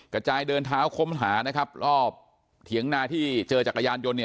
กระจายเดินเท้าค้นหานะครับรอบเถียงนาที่เจอจักรยานยนต์เนี่ย